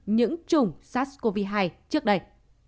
những chủng sars cov hai trước đây